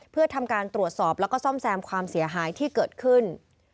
เพื่อทำการตรวจสอบแล้วก็ซ่อมแซมความเสียหายที่เกิดขึ้น